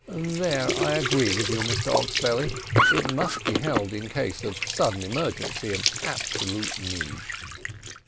"Then I agree with you, Mr Oxbelly; it must be held in case of sudden emergency and absolute need."